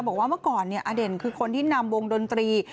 บอกว่าเมื่อก่อนอเด่นคือคนที่นำวงดนตรี